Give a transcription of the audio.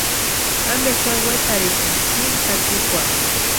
¿Ampe xani wetarhisïni tsiri jatsikwarhu?